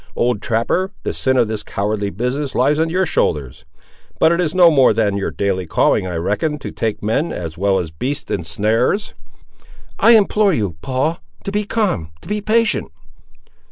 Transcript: Old trapper, the sin of this cowardly business lies on your shoulders! But it is no more than your daily calling, I reckon, to take men, as well as beasts, in snares." "I implore you, Paul, to be calm—to be patient."